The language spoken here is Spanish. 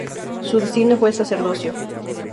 Su destino fue el sacerdocio.